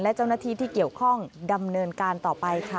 และเจ้าหน้าที่ที่เกี่ยวข้องดำเนินการต่อไปค่ะ